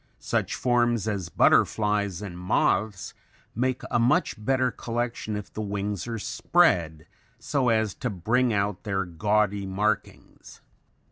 Such forms as butterflies and moths make a much better collection if the wings are spread so as to bring out their gaudy markings.